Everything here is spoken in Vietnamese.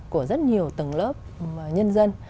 của rất nhiều tầng lớp nhân dân